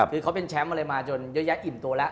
คือเขาเป็นแชมป์อะไรมาจนเยอะแยะอิ่มตัวแล้ว